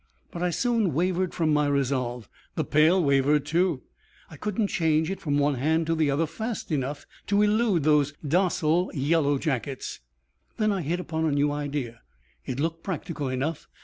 But I soon wavered from my resolve; the pail wavered, too. I couldn't change it from one hand to the other fast enough to elude those docile yellow jackets. Then I hit upon a new idea; it looked practical enough.